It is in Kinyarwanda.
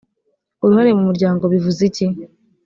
uruhare mu muryango bivuze iki